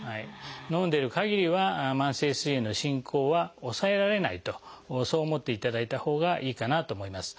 飲んでるかぎりは慢性すい炎の進行は抑えられないとそう思っていただいたほうがいいかなと思います。